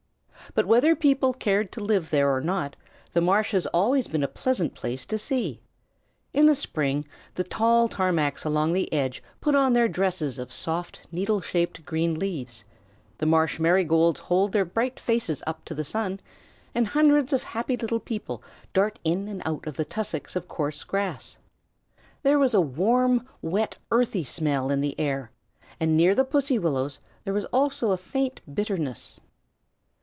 But whether people cared to live there or not, the marsh had always been a pleasant place to see. In the spring the tall tamaracks along the edge put on their new dresses of soft, needle shaped green leaves, the marsh marigolds held their bright faces up to the sun, and hundreds of happy little people darted in and out of the tussocks of coarse grass. There was a warm, wet, earthy smell in the air, and near the pussy willows there was also a faint bitterness.